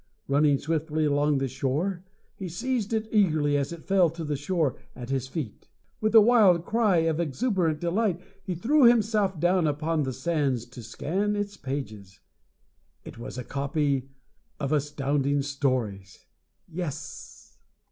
Running swiftly along the shore, he seized it eagerly as it fell to the shore at his feet. With a wild cry of exuberant delight he threw himself down upon the sands to scan its pages. It was a copy of Astounding Stories! Yes!